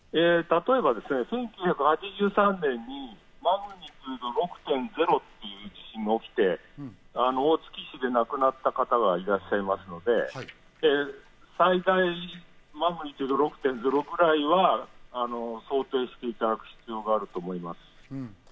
１９８３年にマグニチュード６．０という地震が起きて、大月市で亡くなった方がいらっしゃいますので、最大マグニチュード６．０ぐらいは想定していただく必要があると思います。